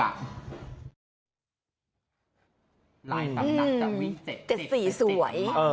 เจ็ดสีสวย